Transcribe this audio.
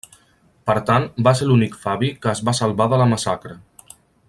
Per tant, va ser l'únic Fabi que es va salvar de la massacre.